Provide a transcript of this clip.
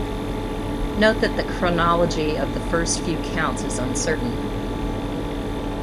Note that the chronology of the first few counts is uncertain.